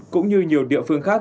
cũng như nhiều địa phương khác